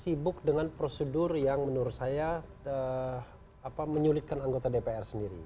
sibuk dengan prosedur yang menurut saya menyulitkan anggota dpr sendiri